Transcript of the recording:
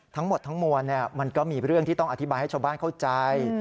ทั้งหมดทั้งมวลมันก็มีเรื่องที่ต้องอธิบายให้ชาวบ้านเข้าใจ